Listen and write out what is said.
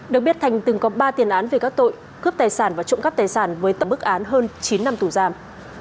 được biết thành từng có ba tiền án về các tội cướp tài sản và trộm cắp tài sản với tầm bức án hơn chín năm tù giam